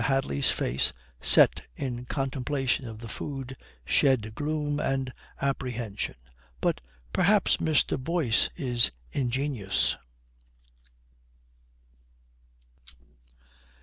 Hadley's face, set in contemplation of the food, shed gloom and apprehension. "But perhaps Mr. Boyce is ingenious."